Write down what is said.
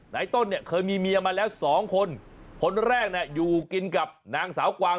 ต้นเนี่ยเคยมีเมียมาแล้วสองคนคนแรกน่ะอยู่กินกับนางสาวกวาง